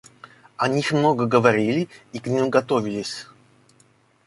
О них много говорили и к ним готовились.